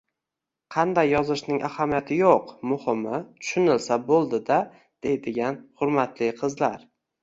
Qanday yozishning ahamiyati yo'q, muhimi tushunilsa bo'ldi-da deydigan, hurmatli qizlar